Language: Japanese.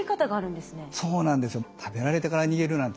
そうなんですよ。